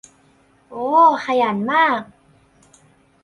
โอว ขยันมาก